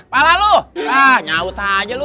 pala lu ah nyaut aja lu